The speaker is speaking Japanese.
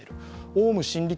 オウム真理